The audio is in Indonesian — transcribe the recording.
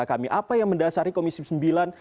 apa yang mendasarkan komisi sembilan